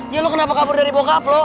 ya lo kenapa kabur dari bokap lo